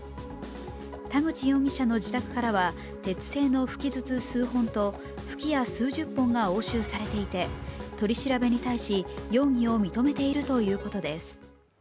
田口容疑者の自宅からは鉄製の吹き筒数本と、吹き矢数十本が押収されていて取り調べに対し、容疑を認めているということです。